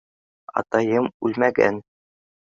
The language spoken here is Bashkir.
Атайым үлмәгән!